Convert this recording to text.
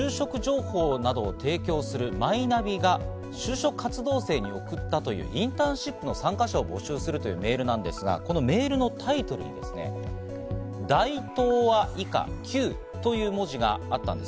就職情報などを提供するマイナビが就職活動生に送ったというインターンシップの参加者を募集するというメールですが、このメールのタイトルに、「大東亜以下９」という文字があったんです。